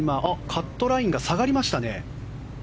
カットラインが下がりましたね。